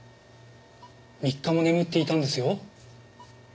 ３日も眠っていたんですよ。